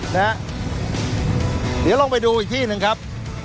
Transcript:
เดี๋ยวลองไปดูอีกที่หนึ่งครับ